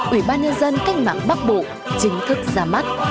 ủy ban nhân dân cách mạng bắc bộ chính thức ra mắt